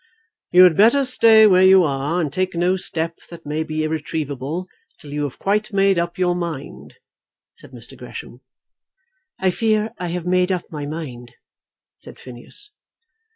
"You had better stay where you are and take no step that may be irretrievable, till you have quite made up your mind," said Mr. Gresham. "I fear I have made up my mind," said Phineas.